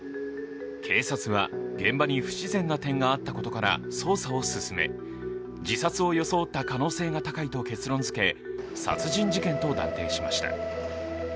警察は、現場に不自然な点があったことから捜査を進め、自殺を装った可能性が高いと結論づけ、殺人事件と断定しました。